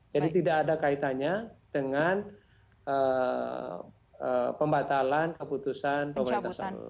jadi tidak ada kaitannya dengan pembatalan keputusan pemerintah saudi